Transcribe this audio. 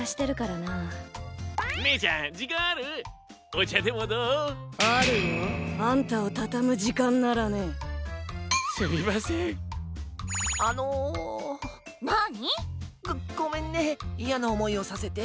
なに？ごごめんねいやなおもいをさせて。